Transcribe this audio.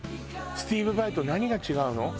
スティーヴ・ヴァイと何が違うの？